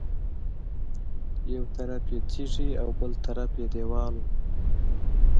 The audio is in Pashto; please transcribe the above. یو طرف یې تیږې او بل طرف یې دېوال و.